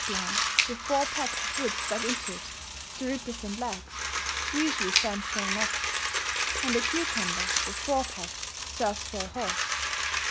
[*An eggplant, with four pegs of wood stuck into it, to represent legs, usually stands for an ox; and a cucumber, with four pegs, serves for a horse....